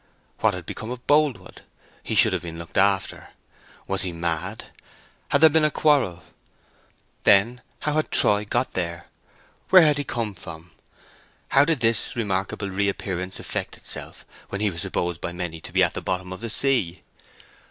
What had become of Boldwood? He should have been looked after. Was he mad—had there been a quarrel? Then how had Troy got there? Where had he come from? How did this remarkable reappearance effect itself when he was supposed by many to be at the bottom of the sea?